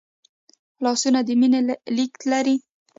لاسونه د مینې لیک لري